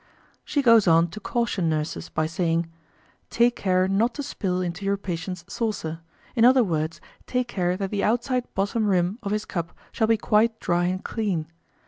1854. She goes on to caution nurses, by saying, "Take care not to spill into your patient's saucer; in other words, take care that the outside bottom rim of his cup shall be quite dry and clean.